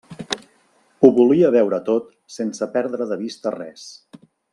Ho volia veure tot sense perdre de vista res.